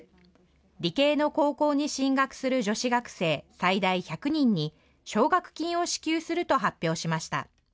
理系の高校に進学する女子学生最大１００人に、奨学金を支給すると発表しました。